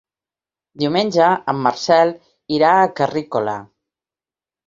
Diumenge en Marcel irà a Carrícola.